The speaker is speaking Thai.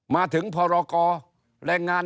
มาถึงพรกรแรงงาน